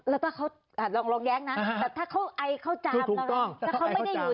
แล้วถ้าเขาลองแยกนะถ้าเขาไอเขาจาม